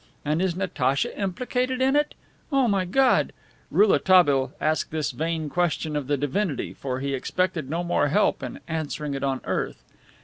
And is Natacha implicated in it? O my God" Rouletabille asked this vain question of the Divinity, for he expected no more help in answering it on earth.